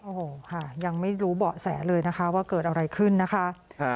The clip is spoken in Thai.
โอ้โหค่ะยังไม่รู้เบาะแสเลยนะคะว่าเกิดอะไรขึ้นนะคะ